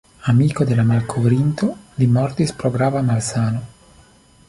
Amiko de la malkovrinto, li mortis pro grava malsano.